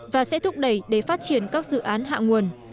và sẽ thúc đẩy để phát triển các dự án hạ nguồn